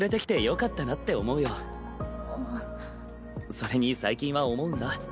それに最近は思うんだ。